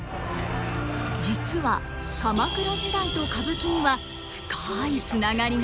実は鎌倉時代と歌舞伎には深いつながりが。